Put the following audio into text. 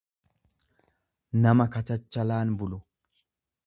nama kachaachalaan bulu.